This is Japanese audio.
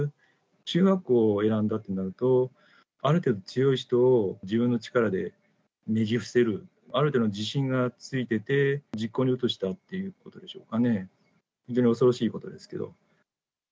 中学校を選んだとなると、ある程度強い人を、自分の力でねじ伏せる、ある程度、自信がついてて、実行に移したということでしょうかね。